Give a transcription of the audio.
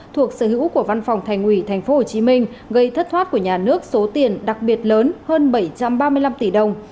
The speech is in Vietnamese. thuộc sở hữu của văn phòng thành ủy tp hcm gây thất thoát của nhà nước số tiền đặc biệt lớn hơn bảy trăm ba mươi năm tỷ đồng